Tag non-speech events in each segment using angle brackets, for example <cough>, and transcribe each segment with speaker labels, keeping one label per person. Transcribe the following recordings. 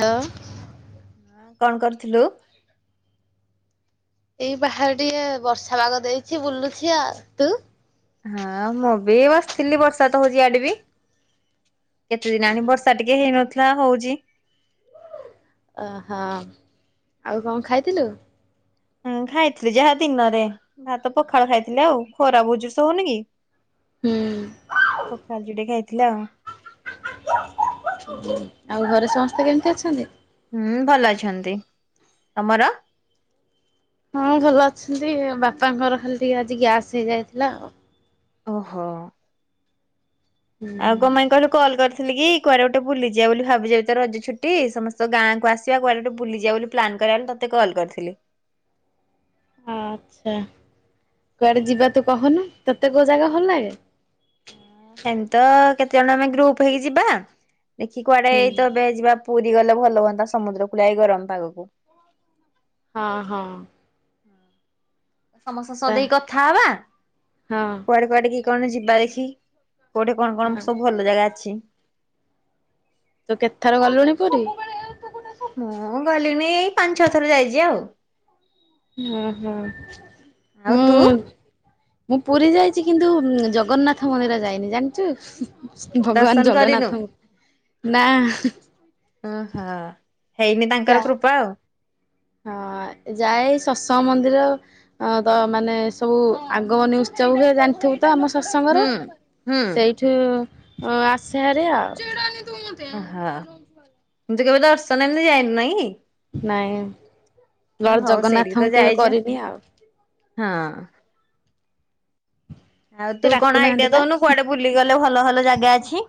Speaker 1: ହଁ
Speaker 2: ହଁ କଣ କରିଥିଲୁ।
Speaker 1: ଏଇ ବାହାରେ ଟିକେ ବର୍ଷା ବାଗ ଦେଇଛି ବୁଲୁଛି ଆଉ। ତୁ
Speaker 2: ହଁ ମୁଁ ବି ବସିଥିଲି ବର୍ଷାତ ହଉଛି ଇଆଡେ ବି କେତେ ଦିନ ଆଣି ବର୍ଷା ଟିକେ ହେଇନଥିଲା। ନା ହଉଛି।
Speaker 1: ଅ ହଁ ଆଉ କଣ ଖାଇଥିଲୁ?
Speaker 2: ହଁ ଖାଇଥିଲି ଯାହା ଦିନରେ ଭାତ ପଖାଳ ଖାଇଥିଲି ଆଉ ଖରା ବୁହୁଯୁର୍ସେ ହଉନି କି?
Speaker 1: ହୁଁ
Speaker 2: ପଖାଲ ଯୁଡେ ଖା ଥିଲି <unintelligible>
Speaker 1: ଆଉ ଘରେ ସମସ୍ତେ କେମିତି ଅଛନ୍ତି?
Speaker 2: ହୁଁ ଭଲ ଅଛନ୍ତି ତମର
Speaker 1: ହଁ ଭଲ ଅଛନ୍ତି ବାପାଙ୍କର ଖାଲି ଟିକେ ଆଜି ଗ୍ୟାସ୍ ହେଇଯାଇଥିଲା ଆଉ।
Speaker 2: ଓହୋ ଆଉ
Speaker 1: ହୁଁ
Speaker 2: କପାଇଁ କହିଲୁ କଲ କରିଥି ଥିଲି କି କୁଆଡେ ଗୋଟେ ବୁଲିଯିବା ବୋଲି ଭାବିଯିବ ତୋ ରଜ ଛୁଟି ସମସ୍ତ ଗାଁ କୁ ଆସିବା କୁଆଡେ ଗୋଟେ ବୁଲିଯିବା ବୋଲି ପ୍ଳାନ୍ କରବାକୁ ତୋତେ କଲ୍ କରିଥିଲି।
Speaker 1: ଆ ଚ୍ଛା କୁଆଡେ ଯିବା ତୁ କହନୁ। ତତେ କଉ ଜାଗା ଭଲ ଲାଗେ?
Speaker 2: ତେଣୁ ଆମେ ଗ୍ରୁପ ହେଇକି ଯିବା। ଦେଖି କୁଆଡେ
Speaker 1: ହୁଁ
Speaker 2: ଏଇ ତ ଏବେ ଯିବ ପୁରୀ ଗଲେ ଭଲ ହୁଅନ୍ତା ସମୁଦ୍ର କୁଳିଆ ଗରମ ପାଗକୁ।
Speaker 1: ହଁ ହଁ
Speaker 2: ସମସ୍ତଙ୍କ ସହ
Speaker 1: ତା
Speaker 2: ଦେଇକି କଥା ହବା
Speaker 1: ହଁ
Speaker 2: କୁଆଡେ କୁଆଡେ କଣ ଯିବା ଦେଖି? କୋଉଠି କଣ କଣ
Speaker 1: ହଁ।
Speaker 2: ସବୁ ଭଲ ଜାଗା ଅଛି?
Speaker 1: ତୁ କେତଥର ଗଲୁଣି ପୁରୀ?
Speaker 2: ମୁଁ ଗଲିଣିି ଏଇ ପାଞ୍ଚ ଛଅ ଥର ଯାଇଛି ଆଉ।
Speaker 1: ଉଁ ହୁଁ
Speaker 2: ଆଉ ତୁ
Speaker 1: ଉଁ ମୁଁ ପୁରୀ ଯାଇଚି କିନ୍ତୁ ଜଗନ୍ନାଥ ମହିର ଯାଇନି ଜାନଚୁ
Speaker 2: ଦର୍ଶନ
Speaker 1: ଭଗବାନ
Speaker 2: କରିନୁ
Speaker 1: ଜଗନ୍ନାଥଙ୍କୁ ନା
Speaker 2: ଓ ହଁ
Speaker 1: ଯା ହଁ ଯାଏ ତ ମନ୍ଦିର ଅ ତ ମାନେ ସବୁ ଆଗମନୀ ଉତ୍ସବ ହୁଏ ଜାଣି ତ ଆମ ଶସଙ୍ଗର
Speaker 2: ହୁଁ ହୁଁ
Speaker 1: ସେଇଠୁ ଓ ଆସେ ହାରି ଆଉ। <unintelligible>
Speaker 2: କିନ୍ତୁ କେବେ ଦର୍ଶନ ଏମିତି ଯାଇନି ନାହିଁ।
Speaker 1: ନାଇଁ ଲର
Speaker 2: ହଉ ସେଇଠିକି
Speaker 1: ଜଗନ୍ନାଥଙ୍କୁ
Speaker 2: ତ
Speaker 1: କେବେ
Speaker 2: ଯାଇଛୁ
Speaker 1: କରିନି ଆଉ।
Speaker 2: ହଁ ଆଉ
Speaker 1: ସେ
Speaker 2: ତୁ କଣ ଆଇଡିଆ
Speaker 1: ଡାକୁନାହାନ୍ତି ପା।
Speaker 2: ଦଉନୁ କୁଆଡେ ବୁଲିଗଲେ ଭଲ ଭଲ ଜାଗା ଅଛି।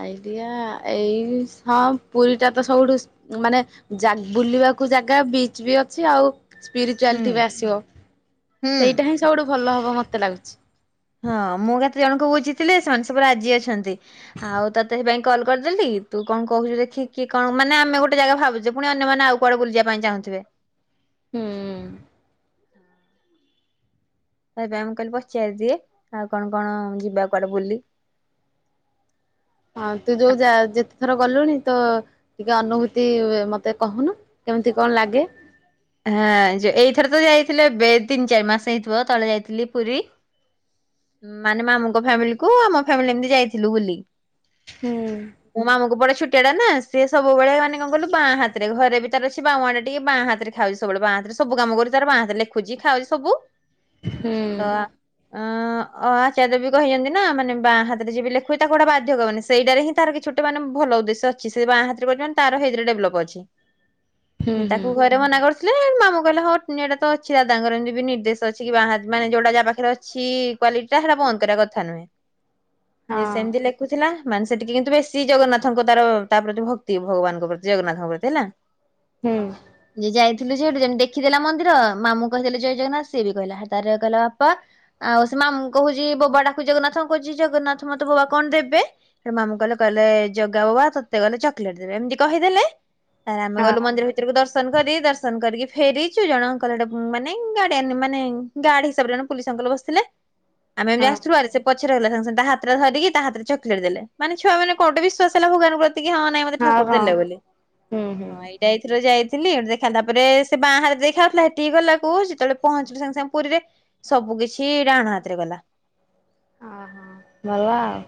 Speaker 1: ଆଇଡିଆ ଏଇ ହଁ ପୁରୀଟା ତ ସବୁଠୁ ମାନେ ଜା ବୁଲିବାକୁ ଜାଗା ବିଚ ବି ଅଛି ଆଉ
Speaker 2: ହୁଁ
Speaker 1: ସ୍ପିରିଚୁଆଲିଟି ବି ଆସିବ
Speaker 2: ହୁଁ।
Speaker 1: ସେଇଟା ହିଁ ସବୁଠୁ ଭଲ ହବ। କେତେ ଲାଗୁଚି?
Speaker 2: ହଁ ମୁଁ କେତେ ଜଣ କୁ ବୁଝି ଥିଲେ ସେମାନେ ସବୁ ରାଜି ଅଛନ୍ତି। ଆଉ ତତେ ସେପାଇଁ କଲ କରିଦେଲି ତୁ କଣ କହୁଛୁ ଦେଖିକି କଣ ମାନେ ଆମେ ଗୋଟେ ଜାଗା ଭାବୁଛେ ପୁଣି ଅନ୍ୟମାନୋନ ଆଉ କୁଆଡ ବୁଲିବା ପାଇଁ ଚାହୁଁଥିବେ
Speaker 1: ହୁଁ
Speaker 2: <unintelligible> ମୁଁ କହିଲି ପଚାର ଦିଏ ଆଉ କଣ କଣ ଯିବା କୁଆଡେ ବୁଲି
Speaker 1: ହଁ ତୁ ଯୋଉ ଯା ଯେ ଥର ଗଲୁଣି ତ ଟିକେ ଅନୁଭୂତି ମତେ କହୁନୁ କେମିତି କଣ ଲାଗେ?
Speaker 2: ହଁ ଏଇଥର ତ ଯାଇଥିଲେ ଏବେ ତିନି ଚାରି ମାସ ହେଇଥିବ ତଳେ ଯାଇଥିଲି ପୁରୀ ମାନେ ମାମୁଙ୍କ ଫ୍ୟାମିଲିକୁ ଆମ ଫ୍ୟାମିଲି ଏମିତି ଯାଇଥିଲୁ ବୁଲି
Speaker 1: ହୁଁ
Speaker 2: ମୋ ମାମାଙ୍କୁ ବଡ ଛୁଟ କେ ନା ସେ ସବୁବେଳେ ମାନେ କଣ କଲୁ ବାଁ ହାତରେ ଘରେ ତାରସି ମ୍ବାୱା ଟି ବାଁ ହାତରେ ଖାଉଚି ସବୁବେଳେ ମ୍ବା ହାତରେ ସବୁ କାମ କରୁ ତାର ବାହାରେ ଲେଖୁଚି ଖାଉଚି ସବୁ
Speaker 1: ହୁଁ
Speaker 2: ତ ଅ ଅ ଆଚାର୍ୟବି କହିଛନ୍ତି ନା ମାନେ ବାଁ ହାତରେ ଜୀଏବି ଲେଖୁଚି ତାକୁ ଗୋଟେ ବାଧ୍ୟକ ମାନେ ସେଇଟାରେ ହିଁ ତାର କିଛି ଗୋଟେ ମାନେ ଭଲ ଉଦ୍ଦେଶ୍ୟ ଅଛି ସେ ବାଁ ହାତରେେ ତାରଇରେ ଡେଭଲପ ଅଛି।
Speaker 1: ହୁଁ ହୁଁ
Speaker 2: ତାକୁ <unintelligible> ମାମୁଁ କହିଲ ହଁ ଏଇଟା ତ ଅଛି ଦାଦାଙ୍କର ଏମିତି ବି ନିର୍ଦ୍ଦେଶ୍ ଅଛି କି ବାହା ମାନେ ଯୋଉଟା ଯାହା ପାଖରେ ଅଛି କ୍ୱାଲିଟି ଟା ହେଟା ବନ୍ଦ୍ କରିବା କଥା ନୁହେଁ।
Speaker 1: ହଁ
Speaker 2: ଯେ ସେମିତି ଲେଖୁଥିଲା। ମାନେ ସେଠିକି କିନ୍ତୁ ବେଶୀ ଜଗନ୍ନାଥଙ୍କ ତାର ତା ପ୍ରତି ଭକ୍ତି ଭଗବାନ୍ ଙ୍କ ପ୍ରତି ଜଗନ୍ନାଥ୍ ଙ୍କ ପ୍ରତି ହେଲା
Speaker 1: ହୁଁ
Speaker 2: ଯେ ଯାଇଥିଲୁ ଯଉଠି ଯେମି ଦେଖିଦେଲା ମନ୍ଦିର ମାମୁଁ କହିଦେଲେ ଜୟ ଜଗନ୍ନାଥ୍ ସିଏ ବି କହିଲା ତାର କହିଲା ବାପା ଆଉ ସେ ମାମୁଙ୍କୁ କହୁଚି ବୋବା ଡାକୁ ଜଗନ୍ନାଥଙ୍କୁ କହୁଛି ଜଗନ୍ନାଥ ମତେ ବୋବା କଣ ଦେବେ? ସେ ମାମୁଁ କହିଲେ କହିଲେ ଜଗା ବୋବା ତତେ ଗଲେ ଚକ୍ ଲେଟ୍ ଦେବେ ଏମିତି କହିଦେଲେ ଆରେ ଆମେ
Speaker 1: ହଁ
Speaker 2: ଗଲୁ ମନ୍ଦିର ଭିତରକୁ ଦଶ୍ ଦର୍ଶନ କରି ଦର୍ଶନ କରିକି ଫେରିଚୁ ଜଣ ଅଙ୍କଲ୍ ମାନେ ଗାଡିଆନ୍ ମାନେ ଗାର୍ଡ୍ ହିସାବରେ ଜଣେ ପୁୋଲିସ ଅଙ୍କଲ୍ ବସିଥିଲେ। ଆମେ
Speaker 1: ହଁ
Speaker 2: ଏମିତି
Speaker 1: ହଁ
Speaker 2: ଆସୁଥିଲୁ ଆରେ ସେ ପଛରେ ରହିଲା ସାଙ୍ଗେଙ୍ଗେ ତା ହାତ ଟା ଧରିକି ତା ହାତରେ ଚକଲେଟ୍ ଦେଲେ ମାନେ ଛୁଆ ମାନେ କୋଟ ବିଶ୍ୱାସ ହେଲା ଭଗବାନ ଙ୍କ ପ୍ର କି ହଁ ନାଇଁ ମତେ ଠାକୁର ଦେଲେ ବୋଲି
Speaker 1: ହୁଁ ହୁଁ
Speaker 2: ହଁ ଏଇଟା ଏଥର ଯାଇ ଥିଲି ଦେଖା ତାପରେ ସେ ବାଁ ହାତରେ ଦେଖାାଉଥିଲା ସେଠିକି ଗଲା କୁ ଯେତେବେଳେ ପହଞ୍ଚିଲୁ ସାଙ୍ଗେ ସାଙ୍ଗେ ପୁରୀରେ ସବୁ କିିଛି ଡାହାଣ ହାତରେ ଗଲା।
Speaker 1: ଓ ହୋ ଭଲାଉ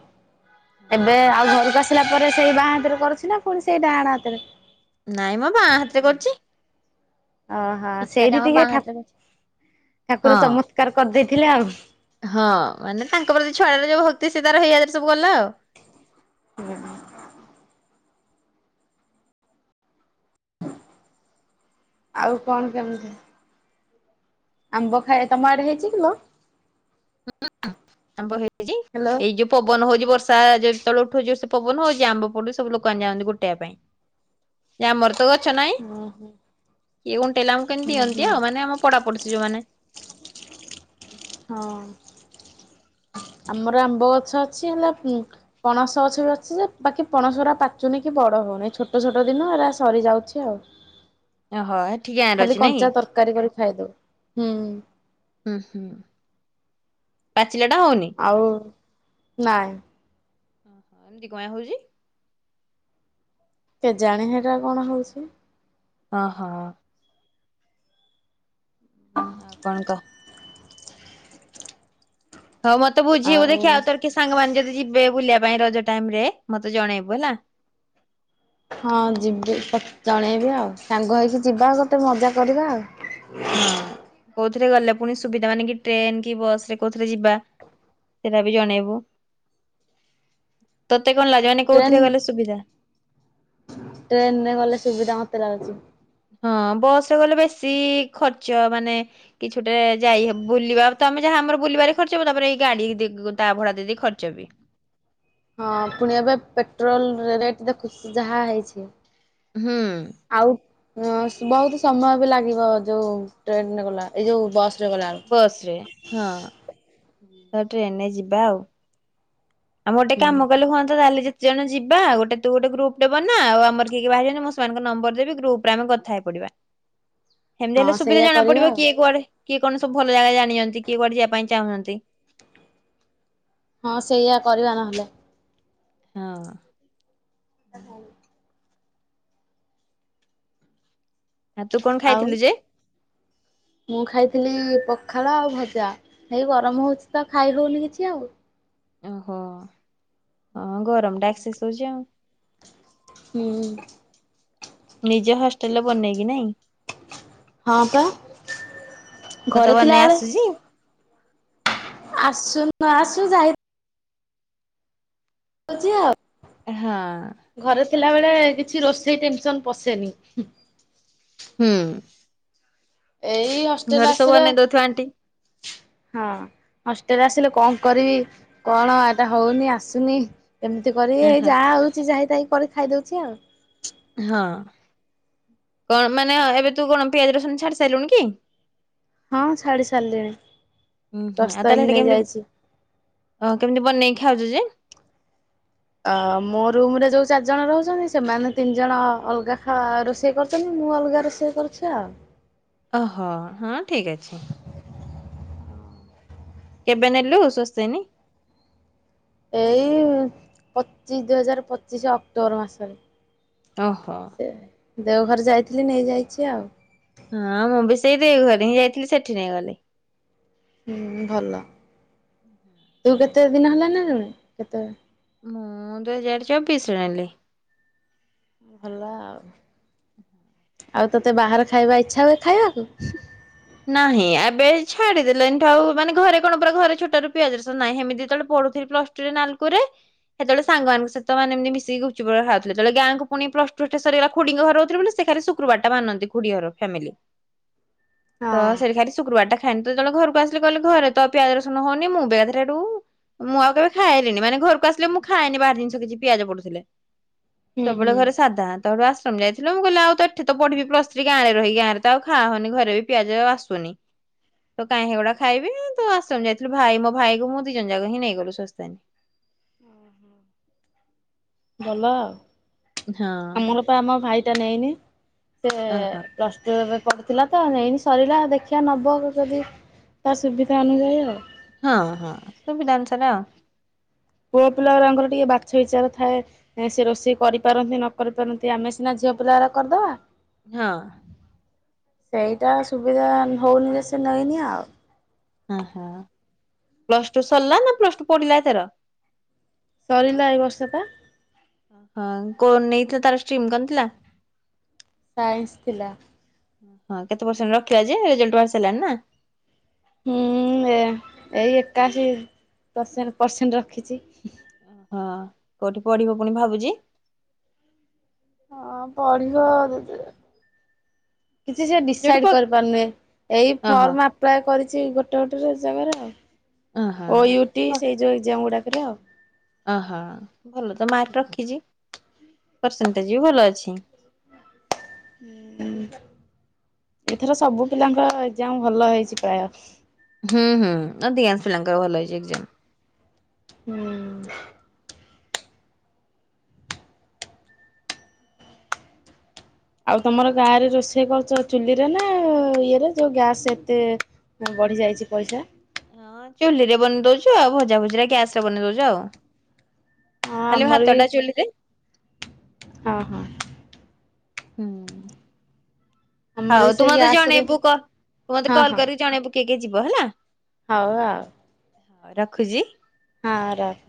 Speaker 1: ଏବେ ଆଉ ଘରକୁ ଆସ୍ ଆସିଲା ପରେ ସେଇ ବାଆଁ ହାତରେ କରୁଛି ନା ପୁଣି ସେଇ ଡାହାଣ ହାତରେ?
Speaker 2: ନାଇଁ ମ ବାଆଁ ହାତରେ କରୁଚି।
Speaker 1: ଓହୋ ସେଇଠି ଟିକେ ଠା ଠାକୁର
Speaker 2: ହଁ
Speaker 1: ଚମତ୍କାର କରିଦେଇଥିଲେ ଆଉ
Speaker 2: ତେ ସେ ତାର ହେଇଆଡ଼େ ସବୁ ଗଲା ଆଉ
Speaker 1: <unintelligible> ଆଉ କଣ ଚାଲିଛି? ଆମ୍ୱ ଖାଇବା, ତୋମ ଆଡ଼େ ହେଇଚି କିଲୋ?
Speaker 2: ହଁ ଆମ୍ୱ ହେଇଚି,
Speaker 1: ହ୍ୟାଲୋ?
Speaker 2: ଏଇ ଯୋଉ ପବନ ହୋଉଚି ବର୍ଷା ଯେତେବେଳେ ଉଠୋଉଚି ଜୋରସେ ପବନ ହଉଚି ଆମ୍ବ ପଡୁଚି ସବୁ ଲୋକମାନେ ଯାଆନ୍ତି ଗୋଟେଇବା ପାଇଁ। ଯେ ଆମର ତ ଗଛ ନାଇଁ।
Speaker 1: ଓହୋ ହୁଁ
Speaker 2: କିଏ ଖୁଣ୍ ଟେଲାଙ୍ଗୁ କେମିତି
Speaker 1: ହୁଁ
Speaker 2: ଦିଅନ୍ତି ଆଉ ମାନେ ଆମ ପଡା ପଡୋସି ଯୋଉମାନେ।
Speaker 1: ହଁ। ଆମର ଆମ୍ବ ଗଛ ଅଛି, ହେଲେ ଉଁ, ପଣସ ଗଛ ବି ଅଛି ଯେ ବାକି ପଣସ ଉରା ପାଚୁନି କି ବଡ ହଉନାହିଁ, ଛୋଟ ଛୋଟ ଦିନ ହେରା ସରି ଯାଉଛି ଆଉ।
Speaker 2: ଓହୋ ଏଠି ଗାଁରେ
Speaker 1: ଖାଲି
Speaker 2: ଅଛି ନାଇଁ
Speaker 1: କଞ୍ଚା ତରକାରୀ କରି ଖାଇଦଉ, ହୁଁ।
Speaker 2: ହୁଁ ହୁଁ ପାଚିଲାଟା ହଉନି।
Speaker 1: ଆଉ ନାଇଁ।
Speaker 2: ଓ ହୋ ଏମିତି କୟାଁ ହଉଚି?
Speaker 1: କେଜାଣି ହେଟା କଣ ହଉଛି।
Speaker 2: ଓ ହୋ। ଆଉ କଣ କହ? ହଁ ମୋତେ ବୁଝିବୁ ଦେଖିଆ ଆଉ ତୋର କି ସାଙ୍ଗମାନେ ଯଦି ଯିବେ ବୁଲିବା ପାଇଁ ରଜ ଟାଇମ୍ ରେ ମୋତେ ଜଣେଇବୁ ହେଲା।
Speaker 1: ହଁ ଯିବେ ତତ୍ ଜଣେଇବି ଆଉ। ସାଙ୍ଗ ହେଇକି ଯିବା ଗୋଟେ ମଜା କରିବା।
Speaker 2: ହଁ। କୋଉଥିରେ ଗଲେ ପୁଣି ସୁବିଧା ମାନେକି ଟ୍ରେନ୍ କି ବସ୍ ରେ କୋଉଥିରେ ଯିବା ସେଟା ବି ଜଣେଇବୁ ତ
Speaker 1: ଟେନ୍ ଟେନ୍ ରେ ଗଲେ ସୁବିଧା ମୋତେ ଲାଗୁଚି।
Speaker 2: ହଁ ବସ୍ ରେ ଗଲେ ବେଶି ଖର୍ଚ୍ଚ ମାନେ କିଛି ଗୋଟେ ଯାଇ ହେ- ବୁଲିବା ତ ଆମେ ଯାହା ଆମର ବୁଲିବାରେ ଖର୍ଚ୍ଚ ହବ, ତାପରେ ଏଇ ଗାଡି ଦେ-ତା ଭଡା ଦେଇ ଦେଇ ଖର୍ଚ୍ଚ ବି।
Speaker 1: ହଁ ପୁଣି ଏବେ ପେଟ୍ରୋଲ୍ ରେଟ୍ ଦେଖୁଚୁ ଯାହା ହେଇଛି।
Speaker 2: ହୁଁ।
Speaker 1: ହଁ ସ-ବହୁତ ସମୟ ବି ଲାଗିବ ଯୋଉ ଟ୍ରେନ୍ ରେ ଗଲା ଏଇ ଯୋଉ ବସ୍
Speaker 2: ବସ୍ ରେ ହଁ। ତ ଟ୍ରେନ୍ ରେ ଯିବା ଆଉ। ଆମର ଟେ
Speaker 1: ହୁଁ
Speaker 2: କାମ କଲେ ହୁଅନ୍ତା ତାହେଲେ ଯେ ଜଣ ଯିବା ଗୋଟେ ତୁ ଗୋଟେ ଗ୍ରୁପ୍ ଟେ ବନା। ଆଉ ଆମର କିଏ କିଏ ବାହାରିଚନ୍ତି ମୁଁ ସେମାନଙ୍କ ନମ୍ବର ଦେବି ଗ୍ରୁପ୍ ରେ ଆମେ କଥା ହେଇ ପଡିବା। ସେମିତି ହେଲେ
Speaker 1: ହଁ
Speaker 2: ସୁବିଧା
Speaker 1: ସେଇଆ
Speaker 2: ଜଣା
Speaker 1: କରିବା
Speaker 2: ପଡିବ,
Speaker 1: ଆଉ
Speaker 2: କିଏ କୁଆଡେ କିଏ କଣ ସବୁ ଭଲ ଜାଗା ଜାଣିଚନ୍ତି। କିଏ କୁଆଡେ ଯିବା ପାଇଁ ଚାହୁଁଚନ୍ତି।
Speaker 1: ହଁ ସେଇଆ କରିବା ନହେଲେ।
Speaker 2: ହଁ।
Speaker 1: <unintelligible>
Speaker 2: ହା ତୁ କଣ
Speaker 1: ଆଉ
Speaker 2: ଖାଇଥିଲୁ ଯେ?
Speaker 1: ମୁଁ ଖାଇଥିଲି ପଖାଳ ଆଉ ଭଜା ଏଇ ଗରମ ହଉଛି ତ ଖାଇ ହଉନି କିଛି ଆଉ।
Speaker 2: ଓହୋ <inaudible> ହ ଗରମ ଟା ଏକ୍ସସେସ ହୋଉଛି ଆଉ।
Speaker 1: ହୁଁ।
Speaker 2: ନିଜ ହଷ୍ଟେଲରେ ବନେଇକି ନାଇଁ।
Speaker 1: ହଁ ପା
Speaker 2: ତତେ
Speaker 1: ଘରେ
Speaker 2: ବନେଇ
Speaker 1: ଥିଲା ବେଳେ
Speaker 2: ଆସୁଛି?
Speaker 1: ଆସୁ ନଆସୁ ଯାଇ <unintelligible> ଆଉ।
Speaker 2: ହଁ।
Speaker 1: ଥିଲାବଳେ କିଛି ରୋଷେଇ ଟେନସନ ପସେନି।
Speaker 2: ହୁଁ।
Speaker 1: ଏଇ ହଷ୍ଟେଲ୍
Speaker 2: ଘରେ ସବୁ
Speaker 1: ଆସିଲେ।
Speaker 2: ବନେଇ ଦଉଥିବ ଆଣ୍ଟି
Speaker 1: <inaudible> ହଁ ହଷ୍ଟେଲରେ ଆସିଲେ କଣ କରିବି କଣ ଏଟା ହଉନି ଆସୁନି। ଏମିତି କରି ଏଇ
Speaker 2: ଓହୋ।
Speaker 1: ଯାହା ହଉଛି ଯାହିତାଇ। ପରେ ଖାଇଦଉଛି ଆଉ।
Speaker 2: ହଁ କଣ ମାନେ ଏବେ ତୁ କଣ ପିଆଜ ରସୁଣ ଛାଡି ସାରିଲୁଣି କି।
Speaker 1: ହଁ ଛାଡି ସାରିଲିଣି,
Speaker 2: ଉୁଁ ହୁଁ। ଆଉ ତାହେଲେ
Speaker 1: ସ୍ଵସ୍ତୟନି
Speaker 2: ସେଠି
Speaker 1: ନେଇ
Speaker 2: କେମିତି
Speaker 1: ଯାଇଛି।
Speaker 2: ଦେ ଖାଉଛ ଯେ। <inaudible>
Speaker 1: ଅ ମୋ ରୁମ୍ ରେ ଯୋଉ ଚାରିଜଣ ରହୁଛନ୍ତି, ସେମାନେ ତିନି ଜଣ ଅଲଗା ରୋଷେଇ କରୁଛନ୍ତି। ମୁଁ ଅଲଗା ରୋଷେଇ କରୁଛି ଆଉ।
Speaker 2: ଓହୋ ହଁ ଠିକ୍ ଅଛି। କେବେ ନେଲୁ ସ୍ଵସ୍ତୟାନି?
Speaker 1: ଏଇ ପଚିଶ ଦୁଇ ହଜାର ପଚିଶି ଅକ୍ଟୋବର ମାସରେ।
Speaker 2: ଓହୋ।
Speaker 1: ସେ ଦେଓଘର ଯାଇଥିଲି ନେଇଯାଇଛି ଆଉ।
Speaker 2: ହଁ ମୁଁ ବି ସେଇ ଦେଓ ଘରେ ହିଁ ଯାଇଥିଲି ସେଠି ନେଇଗଲି।
Speaker 1: ହୁଁ ଭଲ। ତୁ
Speaker 2: <unintelligible>
Speaker 1: କେତେ ଦିନ ହେଲା ନେଲୁଣି କେତେବେଳେ
Speaker 2: ମୁଁ ଦୁଇ ହଜାର ଚବିଶିରେ ନେଲି।
Speaker 1: ଭଲ ଆଉ <inaudible> ଆଉ ତତେ ବାହାର ଖାଇବା ଇଚ୍ଛା ହୁଏ ଖାଇବାକୁ?
Speaker 2: ନାହିଁ ଏବେ ଛାଡି ଦେଲେଣି ତ ଆଉ ମାନେ ଘରେ କଣ ପୁରା ଘରେ ଛୋଟରୁ ପିଆଜ ରସୁଣ ନାହିଁ। ହେମିତି ଯେତେବେଳେ ପଢୁଥିଲି ପ୍ଲସ ଟୁରେ ନାଲକୁରେ ସେତେବେଳେ ସାଙ୍ଗମାନଙ୍କ ସହିତ ମାନେ ମିଶିକି ଗୁପଚୁପ ହେରିକା ଖାଉଥିଲି। ତବେଳେ ଗାଁଙ୍କୁ ପୁଣି ପ୍ଲସ ଟୁ ସରିଗଲା ଖୁଡିଙ୍କ ଘରେ ରହୁଥିଲେ ବୋଲି ସେ ଖାଲି ଶୁକ୍ରୁବାରଟା ମାନନ୍ତି, ଖୁଡି ଘର ଫ୍ୟାମିଲି। ତ
Speaker 1: ହଁ।
Speaker 2: ସେଠ ଖାଲି ଶୁକ୍ରବାର ଟା ଖାଇନି ତବେଳେ ଘରକୁ ଆସିଲେ କହିଲ ଘରେ ତ ପିଆଜ ରସୁଣ ହଉନି, ମୁଁ ବି ଏକାଥରେ ହେଠୁ ମୁଁ ଆଉ କେବେ ଖାଏଲିନି, ମାନେ ଘରକୁ ଆସିଲେ ମୁଁ ଖାଏନି ବାହାର ଜିନିଷ କିଛି ପିଆଜ ପଡୁଥିଲେ।
Speaker 1: ହୁଁ
Speaker 2: ସବୁବେଳେ
Speaker 1: ହୁଁ
Speaker 2: ଘରେ ସାଧା। ତାଠୁ ଆଶ୍ରମ ଯାଇଥିଲ ମୁଁ କହିଲ ଆଉ ତ ଏଠି ତ ପଢିବି ପ୍ଲସ ଥ୍ରୀ ଗାଁରେ ରହି ଗାଁରେ ଆଉ ଖା ହନି ଘରେ ବି ପିଆଜ ଆସୁନି ତ କାଇହିଁ ହେଗୁଡା ଖାଇବି ତୁ ଆଶ୍ରମ ଯାଉଚି, ଭାଇ ମୋ ଭାଇ କ ମୁଁ ଦି ଜଣ ଯାକ ହିଁ ନେଇଗଲୁ ସ୍ଵସ୍ତୟାନି। <inaudible>
Speaker 1: ଭଲ ଆଉ। ଆମର ତ ଆମ ଭାଇଟା ନେଇନି ସେ
Speaker 2: ଓହୋ
Speaker 1: ପ୍ଲସଟା ପଡ଼ିଥିଲା ତ ନେଇନି ସରିଲା ଦେଖିବା ନେବ ଯଦି ତା ସୁବିଧା ଅନୁଯାୟୀ ଆଉ।
Speaker 2: ହଁ ହଁ ସୁବିଧା ଅନୁସାରେ ଆଉ।
Speaker 1: ପୁଅ ପିଲାଗୁରାଙ୍କର ଟିକେ ବାଛ ବିଚାର ଥାଏ ସେ ରୋଷେଇ କରିପାରନ୍ତି ନ କରି ପାରନ୍ତି ଆମେ ସିନା ଝିଅ ପିଲାରା କରିଦେବା।
Speaker 2: ହଁ।
Speaker 1: ସେଇଟା ସୁବିଧା ହଉନି ଯେ ସେ ନେଇନି ଆଉ।
Speaker 2: ହଁ ହଁ ପ୍ଲସ୍ ଟୁ ସରିଲା ନା ପ୍ଲସ୍ ଟୁ ପଢିଲା ଏଥର?
Speaker 1: ସରିଲା ଏଇ ବର୍ଷ ତ
Speaker 2: ହଁ କଣ ନେଇଥିଲା ତାର ଷ୍ଟ୍ରିମ୍ କଣ ଥିଲା?
Speaker 1: ସାଇନ୍ସ ଥିଲା।
Speaker 2: ହଁ କେତେ ପରସେଣ୍ଟ୍ ରଖିଲା ଯେ ରେଜଲ୍ଟ ବାହାରିସାରିଲାଣି ନା।
Speaker 1: ହୁଁ ଏ, ଏଇ ଏକାଅଶୀ ପରସେଣ୍ଟ୍ ପରସେଣ୍ଟ୍ ରଖିଛି ହୁଁହୁଁ।
Speaker 2: ହଁ କୋଉଠି ପଢିବ ପୁଣି ଭାବୁଛି?
Speaker 1: ହଁ ପଢିବ <inaudible> କିଛି ସେ
Speaker 2: ଯୋଉଠି
Speaker 1: ଡିସାଇଡ୍
Speaker 2: ପ
Speaker 1: କରିପାରୁନି ଏଇ
Speaker 2: ଓହୋ
Speaker 1: ଫର୍ମ ଆପ୍ଲାଏ କରିଛି ଗୋ <unintelligible> ଜାଗାରେ।
Speaker 2: ଓହୋ।
Speaker 1: ଓ ୟୁ ଟି ସେଇ ଯୋଉ ଏକ୍ଜାମଗୁଡା। <unintelligible>
Speaker 2: ଅହଅ। ଭଲ ତ ମାର୍କ ରଖିଛି। ପରସେଣ୍ଟେଜ୍ ବି ଭଲ ଅଛି।
Speaker 1: ହୁଁ ଉଁ ଉଁ ଏଥର ସବୁ ପିଲାଙ୍କ ଏକ୍ଜାମ ଭଲ ହେଇଛି ପ୍ରାୟ।
Speaker 2: ହୁଁ ହୁଁ ଅଧିକାଂଶ ପିଲାଙ୍କର ଭଲ ହେଇଛି ଏକ୍ଜାମ୍।
Speaker 1: ହୁଁ ଆଉ ତମର ଗାଁରେ ରୋଷେଇ କରୁଛ ଚୁଲିରେ ନା ଇଏରେ ଯୋଉ ଗ୍ୟାସ ଏତେ ବଢି ଯାଇଛି ପଇସା?
Speaker 2: ହଁ ଚୁଲିରେ ବନେଇ ଦଉଛୁ ଆଉ ଭଜାଭଜିରା ଗ୍ୟାସରେ ବନେଇ ଦଉଛୁ ଆଉ।
Speaker 1: ହଁ
Speaker 2: ଖାଲି
Speaker 1: ଆମର ବି
Speaker 2: ଭା‌ତଟା ଚୁଲିରେ।
Speaker 1: ହଁ ହଁ।
Speaker 2: ହୁଁ
Speaker 1: ଆମର
Speaker 2: ହଉ
Speaker 1: ବି ସେଇ
Speaker 2: ତୁମର ତ ଜଣେ
Speaker 1: ଗ୍ୟାସରେ
Speaker 2: ପୁକ, ତୁ ମତେ
Speaker 1: ହଁ
Speaker 2: କଲ୍
Speaker 1: ହଁ
Speaker 2: କରି ଜଣେଇବୁ। କିଏକିଏ ଯିବ ହେଲା।
Speaker 1: ହଉ ଆଉ।
Speaker 2: ହଉ ରଖୁଛି।
Speaker 1: ହଁ ରଖ୍।